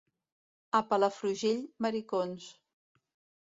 A Palafrugell, maricons.